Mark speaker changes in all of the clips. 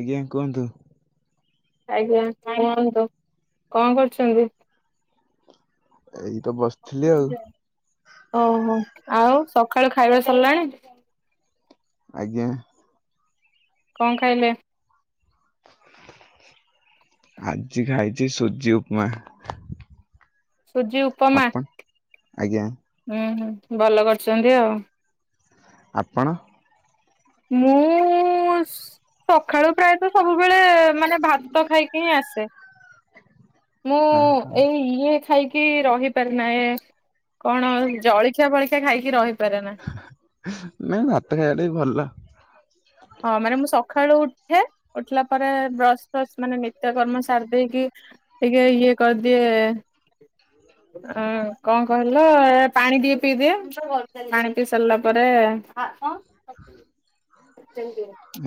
Speaker 1: ଆଜ୍ଞା କୁହନ୍ତୁ।
Speaker 2: ଆଜ୍ଞା କଣ କରୁଚନ୍ତି।
Speaker 1: ଏଇ ତ ବସ
Speaker 2: ଓହୋ ଆଉ ସକାଳୁ ଖାଇବା ସରିଲାଣି।
Speaker 1: ଆଜ୍ଞା।
Speaker 2: କଣ ଖାଇଲେ।
Speaker 1: ଆଜି ଖାଇଚି ସୁଜି ଉପମା।
Speaker 2: ସୁଜି ଉପ
Speaker 1: ଆପନ ଆଜ୍ଞା।
Speaker 2: ଉଁ ହୁଁ ଭଲ କରିଚନ୍ତି ଆଉ।
Speaker 1: ଆପଣ।
Speaker 2: ମୁଁ ସକାଳୁ ପ୍ରାୟତ ସବୁବେଳେ ମାନେ ଭାତ ଖାଇି କିଁ ଆସେ ମୁଁ
Speaker 1: ଆହା
Speaker 2: ଏଇ ଇଏ ଖାଇକି କି ରହିପାରେ ନା ଏ କଣ ଜଳଖିଆ ପଳିଖିଆ ଖାଇକି ରହିପାରେ ନା।
Speaker 1: ନାଇଁ ଭାତ ଖାଇବା ଟା ବି ଭଲ।
Speaker 2: ହଁ ମାନେ ମୁଁ ସକାଳୁ ଉଠେ ଉଠିଲା ପରେ ବ୍ରସ୍ ଫସ୍ ମାନେ ନିତ୍ୟକର୍ମ ସାରି ଦେଇେଇକି ଟିକେ ଇଏ କରିଦିଏ।
Speaker 1: ହ
Speaker 2: ଅ କଣ କହିଲ ପାଣି ଟିକେ ପିଇଦିଏ ପାଣି ପିଇ ସାରିଲା ପରେ।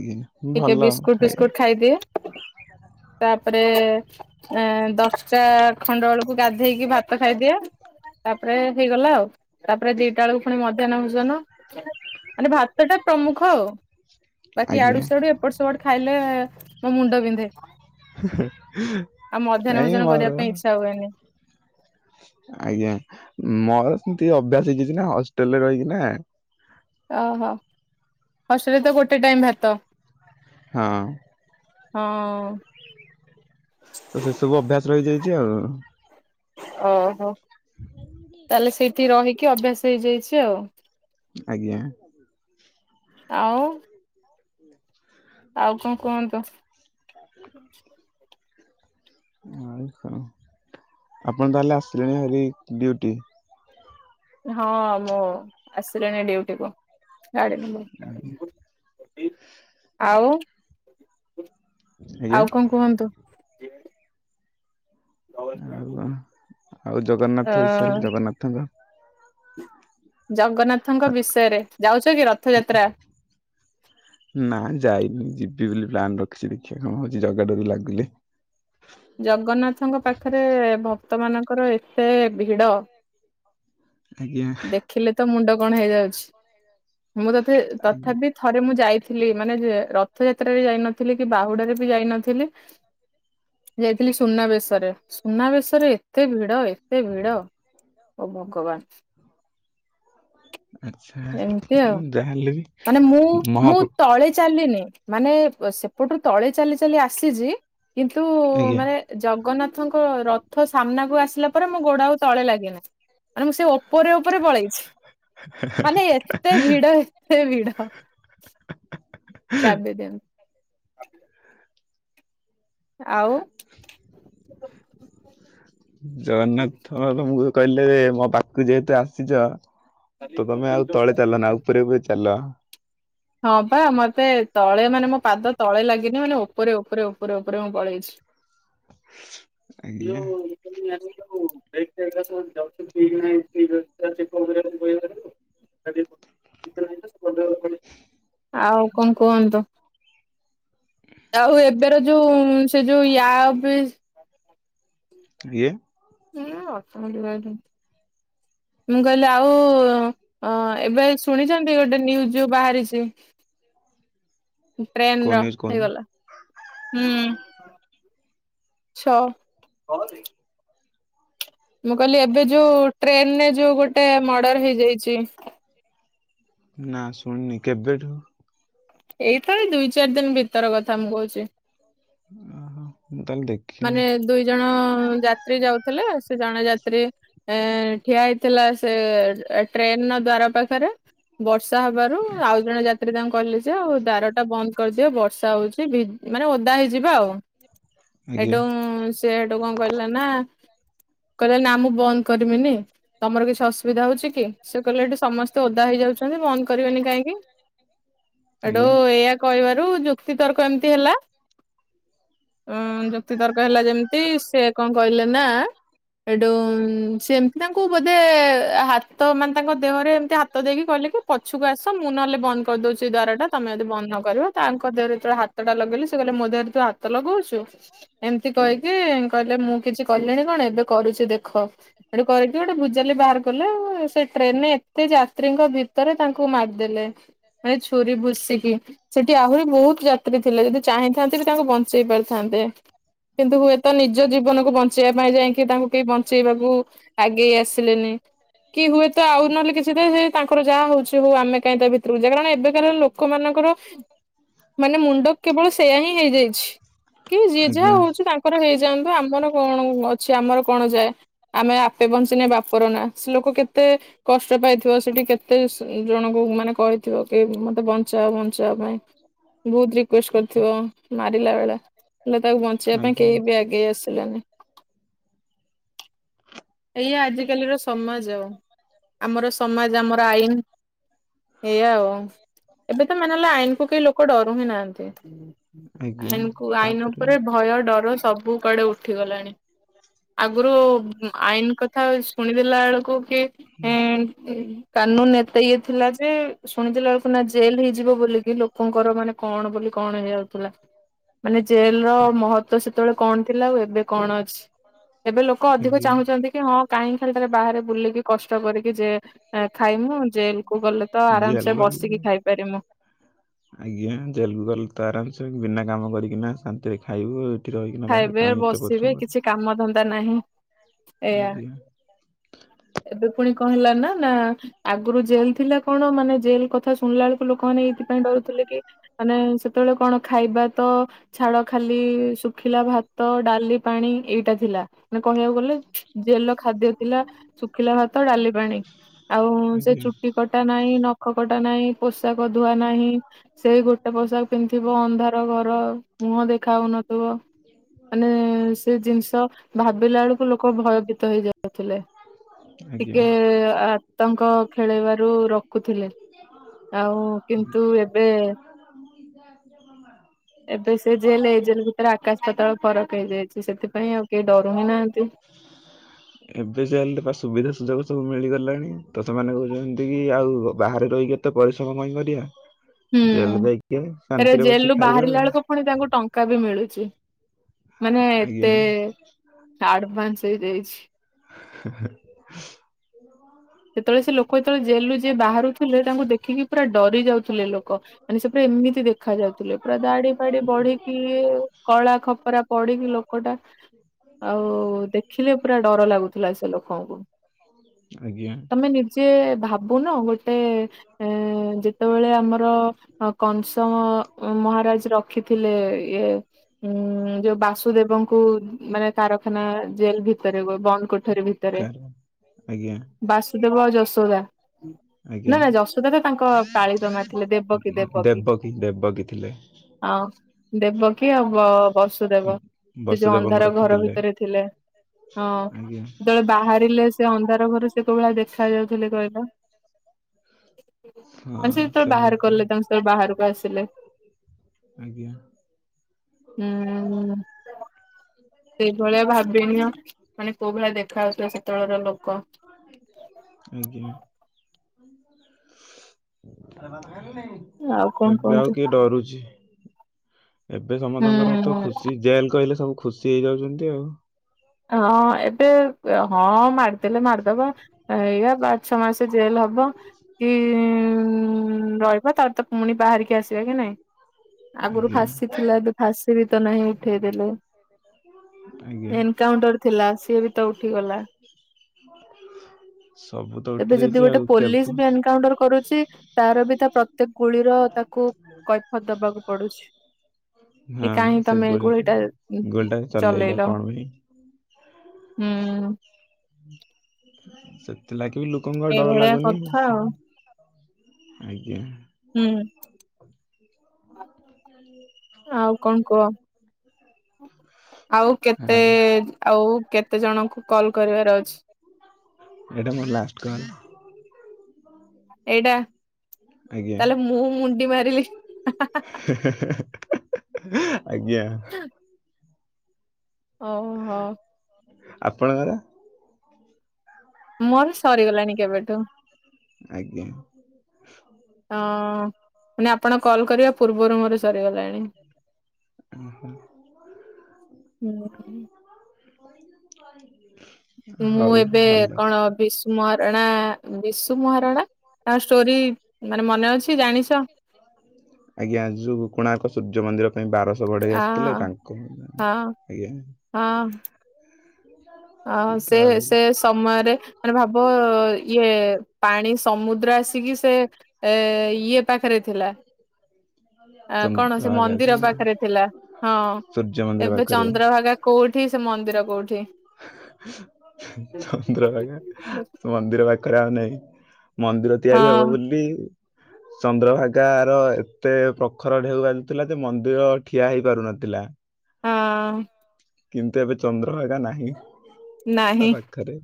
Speaker 1: ଆଜ୍ଞା
Speaker 2: ଟିକେ
Speaker 1: ଭଲ
Speaker 2: ବିସ୍କୁଟ ଫିସ୍କୁଟ
Speaker 1: ଖାଇବା।
Speaker 2: ଖାଇଦିଏ।
Speaker 1: [inaudible]
Speaker 2: ତାପରେ ଏ ଦଶଟା ଖଣ୍ଡ ବେଳକୁ ଗାଧେଇକି ଭାତ ଖାଇଦିଏ। ତାପରେ ହେଇଗଲା ଆଉ ତାପରେ ଦିଟା ବେଳକୁ ପୁଣି ମଧ୍ୟାହ୍ନ ଭୋଜନ। ମାନେ ଭାତଟା ପ୍ରମୁଖ ଆଉ। ବାକି
Speaker 1: ଆଜ୍ଞା।
Speaker 2: ଆଡୁ ସି ଆଡୁ ଏପଟ ସେପଟ ଖାଇଲେ ମୋ ମୁଣ୍ଡ ବିନ୍ଧେ। ଆଉ ମଧ୍ୟାହ୍ନ
Speaker 1: ନାଇଁ
Speaker 2: ଭୋଜନ
Speaker 1: ମୋର
Speaker 2: କରିବା ପାଇଁ ଇଚ୍ଛା ହୁଏନି।
Speaker 1: ଆଜ୍ଞା ମୋର ସେମିତି ଅଭ୍ୟାସ ହେଇଯାଇଚିନା ହଷ୍ଟେଲ ରେ ରହିକି ନା।
Speaker 2: ଓହୋ ହଷ୍ଟେଲରେ ତ ଗୋଟେ ଟାଇମ ଭାତ।
Speaker 1: ହଁ।
Speaker 2: ହଁ।
Speaker 1: ତ ସେସବୁ ଅଭ୍ୟାସ ରହିଯାଇଛି ଆଉ।
Speaker 2: ଓହୋ ତାହେଲେ ସେଇଠି ରହିକି ଅଭ୍ୟାସ ହେଇଯାଇଛି ଆଉ।
Speaker 1: ଆଜ୍ଞା।
Speaker 2: ଆଉ। ଆଉ କଣ କୁହନ୍ତୁ?
Speaker 1: [unintelligible] ଆଉ କ ଆପଣ ତାହେଲେ ଆସିଲେଣି ଏବେ ଡୁଟି?
Speaker 2: ହଁ ମୁଁ ଆସିଲିଣି ଡିଉଟିକୁୁ। [unintelligible] ଆଉ।
Speaker 1: ଆଜ୍ଞା
Speaker 2: ଆଉ କଣ କୁହନ୍ତୁ?
Speaker 1: ଆଉ କଣ? ଆଉ
Speaker 2: ଅ
Speaker 1: ଜଗନ୍ନାଥ ବିଷୟରେ ଜଗନ୍ନାଥଙ୍କ
Speaker 2: ଜଗନ୍ନାଥଙ୍କ ବିଷୟରେ, ଯାଉଛ କି ରଥଯାତ୍ରା?
Speaker 1: ନା ଯାଇନି ଯିବି ବୋଲି ପ୍ଲାନ୍ ରଖିଛି ଦେଖିବା କଣ ହଉଛି ଜଗା ଡୋରି ଲାଗିଲେ।
Speaker 2: ଜଗନ୍ନାଥଙ୍କ ପାଖରେ ଭକ୍ତ ମାନଙ୍କର ଏତେ ଭିଡ।
Speaker 1: ଆଜ୍ଞା
Speaker 2: ଦେଖିଲେ ତ ମୁଣ୍ଡ କଣ ହେଇଯାଉଛି, ମୁଁ ତତେ
Speaker 1: ଆଜ୍ଞା
Speaker 2: ତଥାପି ଥରେ ମୁଁ ଯାଇଥିଲି ମାନେ ଯେ ରଥଯାତ୍ରାରେ ଯାଇନଥିଲି କି ବାହୁଡାରେ ବି ଯାଇନଥିଲି। ଯାଇଥିଲି ସୁନାବେଶରେ, ସୁନାବେଶ ରେ ଏତେ ଭିଡ ଏତେ ଭିଡ। ଓ ଭଗବାନ।
Speaker 1: ଆଚ୍ଛା
Speaker 2: ଏମିତି ଆଉ
Speaker 1: ଯାହାହେଲେ ବି
Speaker 2: ମାନେ ମୁଁ ମୁଁ
Speaker 1: ମହାପ୍ର
Speaker 2: ତଳେ ଚାଲିିନି। ମାନେ ସେପଟୁ ତଳେ ଚାଲି ଚାଲି ଆସିଛି। କିନ୍ତୁ
Speaker 1: ଆଜ୍ଞା
Speaker 2: ମାନେ ଜଗନ୍ନାଥଙ୍କ ରଥ ସାମ୍ନାକୁ ଆସିଲା ପରେ ମୁଁ ଗୋଡ ଆଉ ତଳେ ଲାଗେ ନାହି ମାନେ ମୁଁ ସେ ଉପରେ ଉପରେ ପଳେଇଛି, ମାନେ ଏତେ ଭିଡ ଏତେ ଭିଡ଼। ଚାବି ଦେନୁ। [unintelligible] ଆଉ
Speaker 1: ଜଗନ୍ନାଥ ପ୍ରଭୁଙ୍କୁ କହିଲେ ମୋ ପାଖକୁ ଯେହେତୁ ଆସିଛ। ତ ତମେ ଆଉ ତଳେ ଚାଲନା ଉପରେ ଉପରେ ଚାଲ।
Speaker 2: ହଁ ବା ମତେ ତଳେ ମାନେ ମୋ ପାଦ ତଳେ ଲାଗି ମାନେ ଉପରେ ଉପରେ ଉପରେ ଉପରେ ମୁଁ ପଳେଇଛି।
Speaker 1: ଆଜ୍ଞା
Speaker 2: [unintelligible] [unintelligible] [unintelligible] ଆଉ କଣ କୁହନ୍ତୁ? ଆଉ ଏବେର ଯୋଉ ସେ ଯୋଉ ୟା ବ୍ରିଜ
Speaker 1: ଇଏ।
Speaker 2: [unintelligible] ମୁଁ କହିଲି ଆଉ ଅଁ ଏବେ ଶୁଣିଛନ୍ତି ଗୋଟେ ନ୍ୟୁଜ ଯୋଉ ବାହାରିଛି?
Speaker 1: [inaudible] କୋଉ
Speaker 2: ଟ୍ରେନର
Speaker 1: ନ୍ୟୁଜ କହୁନ
Speaker 2: ହେଇଗଲା। ହୁଁ ଛଅ ହବ ଟି। ମୁଁ କହିଲି ଏବେ ଯୋଉ ଟ୍ରେନରେ ଯୋଉ ଗୋଟେ ମର୍ଡର ହେଇଯାଇଛି।
Speaker 1: ନା ଶୁଣିନି କେବେଠୁ?
Speaker 2: ଏଇତ ଏଇ ଦୁଇ ଚାରି ଦିନ ଭିତର କଥା ମୁଁ କହୁଛି।
Speaker 1: ଅହ ମୁଁ ତାହେଲେ ଦେଖ
Speaker 2: ମାନେ ଦୁଇ ଜଣ ଯାତ୍ରୀ ଯାଉଥିଲେ, ସେ ଜଣେ ଯାତ୍ରୀ ଏ ଠିଆ ହେଇଥିଲା ସେ ଟ୍ରେନ ଦ୍ଵାର ପାଖରେ। ବର୍ଷା ହବାରୁ ଆଉ ଜଣେ ଯାତ୍ରୀ ତାଙ୍କୁ କହିଲେ ଯେ ଆଉ ଦ୍ୱାରଟା ବନ୍ଦ କରିଦିଅ ବର୍ଷା ହଉଛି, ଭି ମାନେ ଓଦା ହେଇଯିବା ଆଉ।
Speaker 1: ଆଜ୍ଞା
Speaker 2: ହେଠୁ ସେ ହେଠୁ କଣ କହିଲା ନା କହିଲା ନା ମୁଁ ବନ୍ଦ କରବିନି। ତମର କିଛି ଅସୁବିଧା ହଉଛି କି? ସେ କହିଲେ ଏଠି ସମସ୍ତେ ଓଦା ହେଇଯାଉଛନ୍ତି ବନ୍ଦ କରିବେନି କାହିଁକି? ଏଡୁ
Speaker 1: ଆଜ୍ଞା
Speaker 2: ଏଇଆ କହିବାରୁ ଯୁକ୍ତିତର୍କ ଏମିତି ହେଲା। ଯୁକ୍ତିତର୍କ ହେଲା ଯେମିତି ସେ କଣ କହିଲେ ନା? ଏଠୁ ସେମିତି ତାଙ୍କୁ ବୋଧେ ହାତ ମାନେ ତାଙ୍କ ଦେହରେ ଏମତି ହାତ ହାତ ଦେଇକି କହିଲେ କି ପଛକୁ ଆସ, ମୁଁ ନହେଲେ ବନ୍ଦ କରିଦେଉଛି ଦ୍ୱାରଟା ତମେ ଯଦି ବନ୍ଦ ନ କରିବ ତାଙ୍କ ଦେହରେ ଯେତେବେଳେ ହାତ ହାତଟା ଲଗେଇଲେ, ସେ କହିଲ ମୋ ଦେହରେ ତୁ ହାତ ଲଗଉଛୁ। ଏମିତି କହିକି କହିଲେ, ମୁଁ କିଛି କଲିଣି କଣ ଏବେ କରୁଛି ଦେଖ। ସେଠୁ କରିକି ଗୋଟେ ଭୁଜାଲି ବାହାର କଲେ ସେ ଟ୍ରେନରେ ଏତେ ଯାତ୍ରୀଙ୍କ ଭିତରେ ତାଙ୍କୁ ମାରିଦେଲେ। ଭାଇ ଛୁରୀ ଭୁସି ଦିଅନ୍ତି। ସେଠି ଆହୁରି ବହୁତ ଯାତ୍ରୀ ଥିଲେ, ଯଦି ଚାହିଁଥାନ୍ତେ ବି ତାଙ୍କୁ ବଞ୍ଚେଇ ପାରିଥାନ୍ତେ। କିନ୍ତୁ ହୁଏତ ନିଜ ଜୀବନକୁ ବଞ୍ଚେଇବା ପାଇଁ ଯାଇକି ତାଙ୍କୁ କେହି ବଞ୍ଚେଇବାକୁ ଆଗେଇ ଆସିଲେନି, କି କି ହୁଏତ ଆଉ ନହେଲେ କିଛି ତ ସେ ତାଙ୍କର ଯାହା ହଉଛି ହଉ ଆମେ କାହିଁ ତା ଭିତରକୁ ଯିବା। କାରଣ ଏବେ କାର ଲୋକମାନଙ୍କର ମାନେ ମୁଣ୍ଡ କେବଳ ସେୟା ହିଁ ହେଇଯାଇଛି କି ଯିଏ ଯାହା
Speaker 1: ଆଜ୍ଞା
Speaker 2: ହଉଛି ତାଙ୍କର ହେଇଯାଆନ୍ତୁ ଆମର କଣ ଅଛି, ଆମର କଣ ଯାଏ? ଆମେ ଆପେ ବଞ୍ଚିଲେ ବାପର ନା, ସେ ଲୋକ କେତେ କଷ୍ଟ ପାଇଥିବ ସେଠି କେତେ ଜଣଙ୍କୁ ମାନେ କହିଥିବ କି ମତେ ମତେ ବଞ୍ଚାଅ ବଞ୍ଚାଅ ପାଇଁ, ବହୁତ ରିକ୍ୱେଷ୍ଟ୍ କରିଥିବ ମାରିଲା ବେଳେ ହେଲେ ତାକୁ ବଞ୍ଚିବା ପାଇଁ
Speaker 1: ଆଜ୍ଞା
Speaker 2: କେହି ବି ଆଗେଇ ଆସିଲେନି। ଏଇଆ ଆଜିକାଲିର ସମାଜ ଆଉ ଆମର ସମାଜ ଆମର ଆଇନ। ଏଇଆ ଆଉ ଏବେ ତ ମାନେ ହେଲା ଆଇନକୁୁ କେହି ଲୋକ ଡରୁ ହିଁ ନାହାନ୍ତି।
Speaker 1: ଆଜ୍ଞା
Speaker 2: ଆଇନକୁ ଆଇନ
Speaker 1: ତାପରେ
Speaker 2: ଉପରେ ଭୟ ଡର ସବୁ କୁଆଡେ ଉଠିଗଲାଣି ଆଗରୁ ଆଇନ କଥା ଶୁଣିଦେଲା ବେଳକୁ କି କାନୁନ ଏତେ ଇଏ ଥିଲା ଯେ ଶୁଣିଥିଲା ବେଳକୁ ନା ଜେଲ ହେଇଯିବ ବୋଲି। ଏଇ ଲୋକଙ୍କର ମାନେ କଣ ବୋଲି କଣ ହେଇଯାଉଥିଲା ମାନେ ଜେଲର ମହତ୍ଵ ସେତେବେଳେ କଣ ଥିଲା ଆଉ ଏବେ କଣ ଅ ଏବେ ଲୋକ ଅଧିକ
Speaker 1: ଆଜ୍ଞା
Speaker 2: ଚାହୁଁ ହଁ କାହିଁ ଖାଲି ବାହାରେ ବୁଲିକି କଷ୍ଟ କରିକି ଯେ ଖାଇମୁ ଜେଲ କୁ ଗଲେ ତ ଆରାମସେ
Speaker 1: ଜେଲ
Speaker 2: ବସିକି
Speaker 1: ଗଲେ
Speaker 2: ଖାଇପାରିମୁ।
Speaker 1: ଆଜ୍ଞା ଜେଲକୁୁ ଗଲେ ତ ଆରାମସେ ବିନା କାମ କରିକିନା ଶାନ୍ତିରେ ଖାଇବୁ। ରହିକିନା ବାହାରେ
Speaker 2: ଖାଇବେ
Speaker 1: କାହିଁ ଏତେ
Speaker 2: ବସିବେ
Speaker 1: ପରିଶ୍ରମ
Speaker 2: କିଛି କାମ ଧନ୍ଦା ନାହିଁ
Speaker 1: କରିବୁ
Speaker 2: ଏଇଆ।
Speaker 1: ଆଜ୍ଞା। [inaudible]
Speaker 2: ଏବେ ପୁଣି କହିଲା ନା ନା ଆଗରୁ ଜେଲ ଥିଲା କଣ ମାନେ ଜେଲ କଥା ଶୁଣିଲା ବେଳକୁ ଲୋକମାନେ ଏଇଥିପାଇଁ ଡରୁଥିଲେ କି ମାନେ ସେତେବେଳେ କଣ ଖାଇବା ତ ଛାଡ ଖାଲି ଶୁଖିଲା ଭା ଭାତ ଡାଲି ପାଣି ଏଇଟା ଥିଲା ମାନେ କହିବାକୁ ଗଲେ ଜେଲ ଖାଦ୍ୟ ଥିଲା ଶୁଖିଲା ଭାତ ଡାଲି ପାଣି ଆଉ ସେ
Speaker 1: ଆଜ୍ଞା
Speaker 2: ଚୁଟି କଟା ନାହିଁ, ନଖ କଟା ନାହିଁ, ପୋଷାକ ଧୁଆ ନାହିଁ। ସେଇ ଗୋଟେ ପୋଷାକ ପିନ୍ଧଥିବ ଅନ୍ଧାର ଘର ମୁହଁ ଦେଖା ଆଉନଥୁବ। ମାନେ ସେ ଜିନିଷ ଭାବିଲା ବେଳକୁ ଲୋକ ଭୟଭୀତ ହେଇ ଯାଉଥିଲେ।
Speaker 1: ଆଜ୍ଞା
Speaker 2: ଟିକେ ଆ ଆତଙ୍କ ଖେଳବାରୁ ରଖୁଥିଲେ ଆଉ କିନ୍ତୁ ଏବେ
Speaker 1: [inaudible]
Speaker 2: ଏବେ ସେ ଜେଲ ଏଇ ଜେଲ ଭିତରେ ଆକାଶ ପାତଳ ଫରକ ହେଇଯାଇଛି ସେଥିପାଇଁ ଆଉ କେହି ଡରୁ ହିଁ ନାହାନ୍ତି।
Speaker 1: ଏବେ ସେଲେ ସୁବିଧା ସୁଯୋଗ ସବୁ ମିଳିଗଲାଣି ତ ସେମାନେ କହୁଛନ୍ତି କି ଆଉ ବାହାରେ ରହିକି ଏତେ ପରିଶ୍ରମ କାଇଁ କରିବା
Speaker 2: ହୁଁ
Speaker 1: ଜେଲ ଯାଇକି
Speaker 2: ତାରେ
Speaker 1: ଶାନ୍ତିରେ
Speaker 2: ଜେଲ ରୁ
Speaker 1: ବସିକି ଖାଇବା
Speaker 2: ବାହାରିଲା
Speaker 1: ଆଉ।
Speaker 2: ବେଳକୁ ପୁଣି ତାଙ୍କୁ ଟଙ୍କା ବି ମିଳୁଛି ମାନେ
Speaker 1: ଆଜ୍ଞା
Speaker 2: ଏତେ ଆଡଭାନ୍ସ ହେଇଯାଇଚି?
Speaker 1: ହେଁ ହେଁ
Speaker 2: ସେତେବେଳେ ସେ ଲୋକ ଯେତେବେଳେ ଜେଲରୁୁ ଯିଏ ବାହାରୁଥିଲେ ତାଙ୍କୁ ଦେଖିକି ପୁରା ଡରି ଯାଉଥିଲେ ଲୋକ। ମାନେ ସେ ପୁରା ଏମିତି ଦେଖା ଯାଉଥିଲେ ପୁରା ଦାଢ଼ି ଫାଡି ବଢିକି କଳା ଖପରା ପଡ଼ିକି ଲୋକଟା। ଆଉ ଦେଖିଲେ ପୁରା ଡର ଲାଗୁଥିଲା ସେ ଲୋକଙ୍କୁ।
Speaker 1: ଆଜ୍ଞା।
Speaker 2: ଆମେ ନିଜେ ଭାବୁନ ଗୋଟେ, ଏ ଯେତେବେଳେ ଆମର ହ କଂସମ ମହାରାଜ ରଖିଥିଲେ ଇଏ ଉଁ ଯୋଉ ବାସୁଦେବଙ୍କୁ ମାନେ କାରଖାନା ଜେଲ ଭିତରେ ବନ୍ଦ କରି।
Speaker 1: କା ଆଜ୍ଞା।
Speaker 2: ବାସୁଦେବ ଆଉ ଯଶୋଦା ନା
Speaker 1: ଆଜ୍ଞା
Speaker 2: ନା ଯଶୋଦା ତ ତାଙ୍କ ପାଳିତ ମା ଥିଲେ ଦେବକି ଦେବକି।
Speaker 1: ଦେବକୀ ଦେବକୀ ଥିଲେ।
Speaker 2: ଆଉ ଦେବକି ଆଉ ବ ବସୁଦେବ ସେ ଯୋଉ
Speaker 1: ବସୁଦେବଙ୍କୁ
Speaker 2: ଅନ୍ଧାର ଘର
Speaker 1: ରଖିଥିଲେ
Speaker 2: ଭିତରେ ଥିଲେ ହଁ
Speaker 1: ଆଜ୍ଞା
Speaker 2: ଯେତେବେଳେ ବାହାରିଲେ ସେ ଅନ୍ଧାର ଘରୁ ସେ କୋ ଭଳିଆ ଦେଖା ଯାଉଥିଲେ କହିଲ।
Speaker 1: ହଁ
Speaker 2: ମାନେ ସେ ଯେତେବେଳେ ବାହାର
Speaker 1: ସେମିତି
Speaker 2: କଲେ ତମେ ସେତେବେଳେ ବାହାରକୁ ଆସିଲେ।
Speaker 1: ଆଜ୍ଞା।
Speaker 2: ହୁଁ। ସେଭଳିଆ ଭାବିନିଅ ମାନେ କୋଉ ଭଳିଆ ଦେଖା ଯାଉଥିବେ ସେତେବେଳର ଲୋକ।
Speaker 1: ଆଜ୍ଞା।
Speaker 2: ଆଉ କଣ
Speaker 1: [unintelligible] ଏବେ
Speaker 2: କୁହନ୍ତୁ
Speaker 1: ଆଉ କିଏ ଡରୁଚି? ଏବେ ସମତଙ୍କର ତ
Speaker 2: ହୁଁ
Speaker 1: ଖୁସି ଜେଲ କହିଲେ ସବୁ ଖୁସି ହେଇଯାଉଚନ୍ତି ଆଉ।
Speaker 2: ହଁ ଏବେ ହଁ ମାରଦେଲେ ମାରଦବ ଏଇଆ ପାଞ୍ଚ ଛ ମାସେ ଜେଲ ହବ। ବ କି ଇ ଇ ରହିବ ତାର ତ ପୁଣି ବାହାରିକି ଆସିବା କି ନାଇଁ। ଆଗରୁ
Speaker 1: ଆଜ୍ଞା
Speaker 2: ଫାଶୀ ଥିଲା ଏବେ ଫାଶୀ ବି ତ ନାହିଁ ଉଠେଇ ଦେେଲେ।
Speaker 1: ଆଜ୍ଞା।
Speaker 2: ଥିଲା ସିଏ ବି ତ ଉଠିଗଲା।
Speaker 1: ସବୁ ତ ଉଠି
Speaker 2: ଏବେ ଯଦି
Speaker 1: ଯାଇଛି
Speaker 2: ଗୋଟେ
Speaker 1: ଆଉ କେବ
Speaker 2: ପୋଲିସ
Speaker 1: ହଁ
Speaker 2: ବି ଏନକାଉଣ୍ଟର କରୁଛି ତାର ବି ତା ପ୍ର ତା ଗୁଳିର ତାକୁ କୈଫତ ଦବାକୁ ପଡୁଛି। କି କାହିଁ
Speaker 1: ସେ
Speaker 2: ତମେ ଏ
Speaker 1: ଗୋଲ
Speaker 2: ଗୁଳିଟା ଇ ଇ
Speaker 1: ଗୋଲଟା
Speaker 2: ଚଲେଇଲ।
Speaker 1: କଣ ପାଇଁ?
Speaker 2: ହୁଁ।
Speaker 1: ସେଥିଲାଗି ବି ଲୋକଙ୍କ ଡର
Speaker 2: ଏଇଭଳିଆ
Speaker 1: ଲାଗୁନି
Speaker 2: କଥା ଆଉ
Speaker 1: ସବୁ ଆଜ୍ଞା।
Speaker 2: ହୁଁ। ଆଉ କଣ କୁହ? ଆଉ କେତେ
Speaker 1: ଆଉ
Speaker 2: ଆଉ କେତେ ଜଣଙ୍କୁ କଲ କରିବାର ଅଛି?
Speaker 1: ଏଇଟା ମୋର ଲାଷ୍ଟ କଲ।
Speaker 2: ଏଇଟା
Speaker 1: ଆଜ୍ଞା
Speaker 2: ତାହେଲେ ମୁଁ ମୁଣ୍ଡି ମାରିଲି।
Speaker 1: ହେ ହେ ହେ ଆଜ୍ଞା।
Speaker 2: ହଉ ହୋ।
Speaker 1: ଆପଣଙ୍କର
Speaker 2: ମୋର ସରିଗଲାଣି କେବେଠୁ।
Speaker 1: ଆଜ୍ଞା।
Speaker 2: ହଁ ଅ ମାନେ ଆପଣ କଲ୍ କରିବା ପୂର୍ବରୁ ମୋର ସରିଗଲାଣି।
Speaker 1: ଓ ହୋ।
Speaker 2: ହୁଁ।
Speaker 1: [unintelligible]
Speaker 2: ମୁଁ ଏବେ କଣ ବିସ ମଆରଣା ବିଶୁ ମହାରଣା ତାଙ୍କ ଷ୍ଟୋରି ମାନେ ମନେ ଅଛି ଜାଣିଛ।
Speaker 1: ଆଜ୍ଞା ଯୋଉ କୋଣାର୍କ ସୂର୍ଯ୍ୟ ମନ୍ଦିର ପାଇଁ ବାରଶହ ବଢ଼େଇ
Speaker 2: ଆ
Speaker 1: ଆସିଥିଲେ ତାଙ୍କୁ
Speaker 2: ହଁ
Speaker 1: ଆଜ୍ଞା।
Speaker 2: ହଁ। ଅ ହ
Speaker 1: ସିଧା
Speaker 2: ସେ
Speaker 1: ଆଉ।
Speaker 2: ସେ ସମୟରେ ମାନେ ଭାବ ଇଏ ପାଣି ସମୁଦ୍ର ଆସିକି ସେ ଏ ଇଏ ପାଖରେ ଥିଲା। ଆ କଣ ସେ
Speaker 1: ଚନ୍ଦ୍ରଭାଗା
Speaker 2: ମନ୍ଦିର
Speaker 1: ଥିଲା।
Speaker 2: ପାଖରେ ଥିଲା ହଁ
Speaker 1: ସୂର୍ଯ୍ୟ ମନ୍ଦିର
Speaker 2: ଏବେ
Speaker 1: ପାଖରେ
Speaker 2: ଚନ୍ଦ୍ରଭାଗା କୋଉଠି ସେ ମନ୍ଦିର କୋଉଠି?
Speaker 1: ଚନ୍ଦ୍ରଭାଗା ମନ୍ଦିର ପାଖରେ ଆଉ ନାଇଁ। ମନ୍ଦିର ତିଆରି ହବ
Speaker 2: ହଁ
Speaker 1: ବୋଲି ଚନ୍ଦ୍ରଭାଗାର ଏତେ ପ୍ରଖର ଢେଉ ବାଜୁଥିଲା ଯେ ମନ୍ଦିର ଠିଆ ହେଇ ପାରୁନଥିଲା।
Speaker 2: ହଁ ଅଁ
Speaker 1: କିନ୍ତୁ ଏବେ ଚନ୍ଦ୍ରଭାଗା ନାହିଁ
Speaker 2: ନାହିଁ
Speaker 1: ତା ପାଖରେ।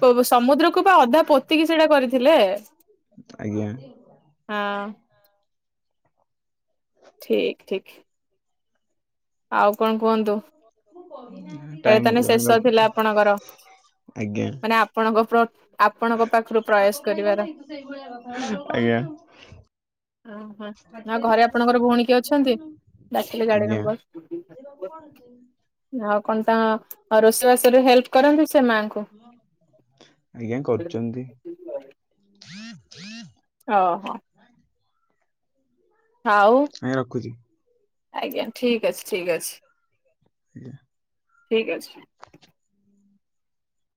Speaker 2: ପ- ସମୁଦ୍ରକୁ ବା ଅଧା ପୋତିକି ସେଇଟା କରିଥିଲେ?
Speaker 1: ଆଜ୍ଞା।
Speaker 2: ହଁ। ଠିକ ଠିକ। ଆଉ କଣ କୁହନ୍ତୁ ଏଇଟା
Speaker 1: ଟାଇମ
Speaker 2: ତାନେ
Speaker 1: ହେଇଗଲାଣି
Speaker 2: ଶେଷ ଥିଲା
Speaker 1: ରଖୁଛି।
Speaker 2: ଆପଣଙ୍କର
Speaker 1: ଆଜ୍ଞା।
Speaker 2: ମାନେ ଆପଣଙ୍କ ପ୍ରଟ
Speaker 1: ଆଜ୍ଞା।
Speaker 2: ଓହୋ ଆ ଘରେ ଆପଣଙ୍କର ଭଉଣୀ କି ଅଛନ୍ତି ଡାକିଲେ ଗାଡି
Speaker 1: ଆଜ୍ଞା
Speaker 2: ନମ୍ବର। ଆଉ କଣ ତା ରୋଷେଇବାସରେ ହେଲ୍ପ କରନ୍ତି ସେ ମାଆଙ୍କୁ?
Speaker 1: ଆଜ୍ଞା କରୁଛନ୍ତି।
Speaker 2: ଓହୋ। ଆଉ
Speaker 1: ଆଜ୍ଞା ରଖୁଛି।
Speaker 2: ଆଜ୍ଞା ଠିକ ଅଛି, ଠିକ ଅଛି।
Speaker 1: ଆଜ୍ଞା।
Speaker 2: ଠିକ୍ ଅଛି।